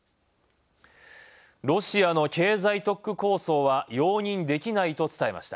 ロシアの経済特区構想は容認できないと伝えました。